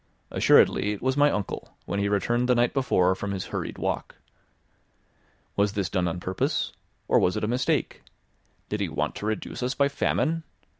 Assuredly, it was my uncle, when he returned the night before from his hurried walk. Was this done on purpose? Or was it a mistake? Did he want to reduce us by famine?